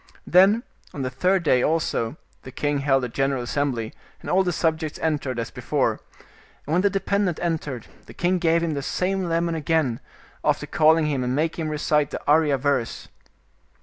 Then on the third day also the king held a general assem bly, and all the subjects entered, as before, and when the dependent entered, the king gave him the same lemon again, after calling him and making him recite the Arya verse.